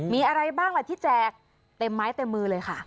มีอะไรบ้างล่ะที่แจกเต็มไม้เต็มมือเลยค่ะ